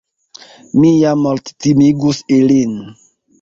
Mi ja morttimigus ilin.